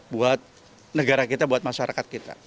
buat negara kita buat masyarakat kita